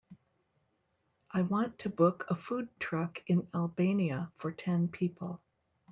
I want to book a food truck in Albania for ten people.